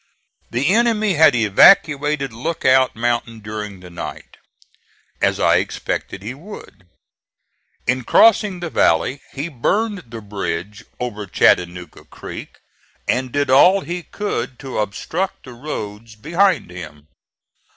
The enemy had evacuated Lookout Mountain during the night, as I expected he would. In crossing the valley he burned the bridge over Chattanooga Creek, and did all he could to obstruct the roads behind him.